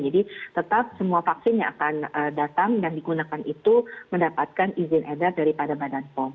jadi tetap semua vaksin yang akan datang dan digunakan itu mendapatkan izin edar daripada badan pom